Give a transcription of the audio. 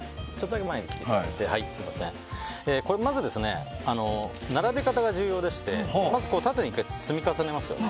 まず、並べ方が重要でしてまず縦に積み重ねますよね。